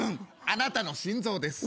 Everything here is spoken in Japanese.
あなたの心臓です。